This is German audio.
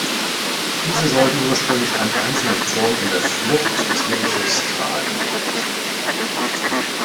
Diese sollten ursprünglich einen einzelnen Turm in der Flucht des Mittelschiffs tragen.